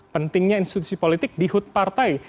pentingnya institusi politik dihut partai